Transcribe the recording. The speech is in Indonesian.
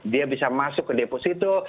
dia bisa masuk ke deposito